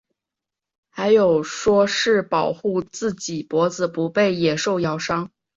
还有说是保护自己脖子不被野兽咬伤。